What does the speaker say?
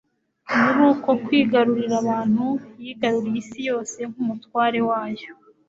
Muri uko kwigarurira abantu, yigaruriye isi yose nk'umutware wayo.